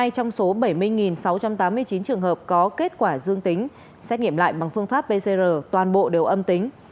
một mươi trong số bảy mươi sáu trăm tám mươi chín trường hợp có kết quả dương tính xét nghiệm lại bằng phương pháp pcr toàn bộ đều âm tính